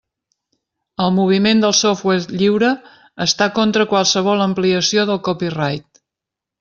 El moviment del software lliure està contra qualsevol ampliació del copyright.